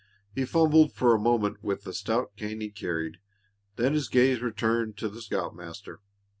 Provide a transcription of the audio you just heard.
He fumbled for a moment with the stout cane he carried; then his gaze returned to the scoutmaster.